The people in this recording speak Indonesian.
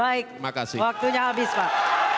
baik waktunya habis pak